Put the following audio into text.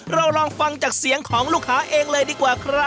เราลองฟังจากเสียงของลูกค้าเองเลยดีกว่าครับ